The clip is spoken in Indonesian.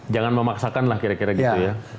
jangan memaksakan lah kira kira gitu ya